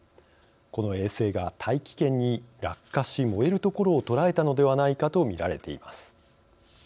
この衛星が大気圏に落下し燃えるところを捉えたのではないかと見られています。